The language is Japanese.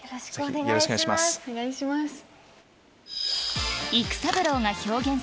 よろしくお願いします。